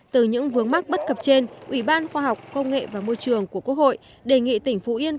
từ những vướng mắc bất cập trên ủy ban khoa học công nghệ và môi trường của quốc hội đề nghị tỉnh phú yên